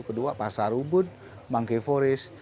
kedua pasar ubud mwangke forest